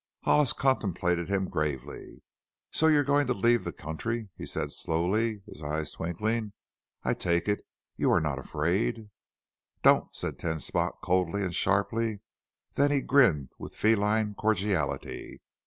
Hollis contemplated him gravely. "So you're going to leave the country?" he said slowly, his eyes twinkling. "I take it you are not afraid " "Don't!" said Ten Spot coldly and sharply. Then he grinned with feline cordiality.